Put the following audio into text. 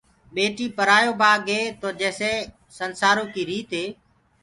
ٻيٽيٚ پرآيو بآگ هي تو جيسي اسنسآرو ڪي ريت هي،